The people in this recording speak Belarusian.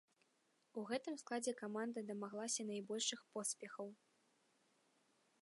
У гэтым складзе каманда дамаглася найбольшых поспехаў.